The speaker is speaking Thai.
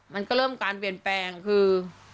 มันก็เริ่มการเปลี่ยนแปลงคือ